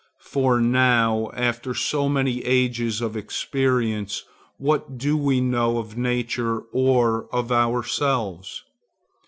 For now, after so many ages of experience, what do we know of nature or of ourselves?